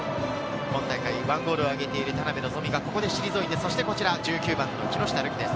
今大会１ゴールを挙げている田邉望がここで退き、１９番・木下瑠己です。